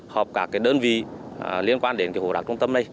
họp các đơn vị liên quan đến hồ đặc trung tâm này